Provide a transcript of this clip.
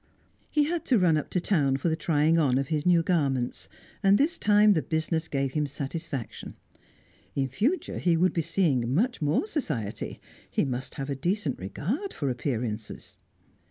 He had to run up to town for the trying on of his new garments, and this time the business gave him satisfaction. In future he would be seeing much more society; he must have a decent regard for appearances.